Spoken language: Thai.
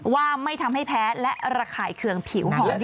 ว่าไม่ทำให้แพ้และระข่ายเคืองผิวหอม